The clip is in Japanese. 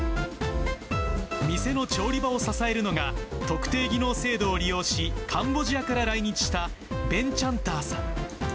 店の調理場を支えるのが、特定技能制度を利用し、カンボジアから来日した、ヴェン・チャンターさん。